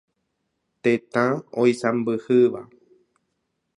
Tetã oisãmbyhýva.